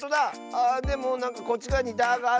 ああでもなんかこっちがわに「だ」があるよ。